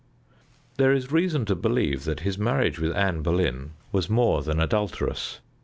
There is reason to believe that his marriage with Anne Boleyn was more than adulterous.